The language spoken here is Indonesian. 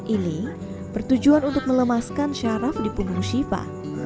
ini bertujuan untuk melemaskan syaraf di punggung shiva